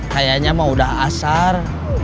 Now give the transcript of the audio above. kayaknya mah udah asar